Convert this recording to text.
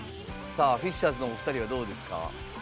フィッシャーズのお二人はどうですか？